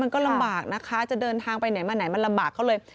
ลำบากนะคะจะเดินทางไปไหนมาไหนมันลำบากเขาเลย